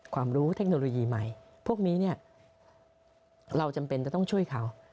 ความรู้เทคโนโลยีใหม่พวกนี้เนี่ยเราจำเป็นจะต้องช่วยเขา